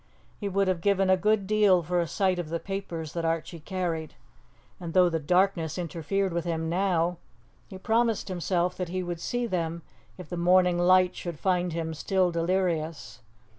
He would have given a good deal for a sight of the papers that Archie carried, and though the darkness interfered with him now, he promised himself that he would see them if the morning light should find him still delirious.